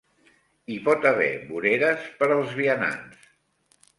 Hi pot haver voreres per als vianants.